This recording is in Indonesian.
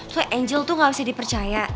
soalnya angel tuh ga bisa dipercaya